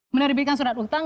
menerbitkan surat utang